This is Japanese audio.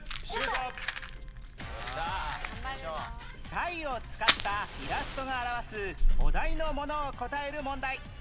サイを使ったイラストが表すお題のものを答える問題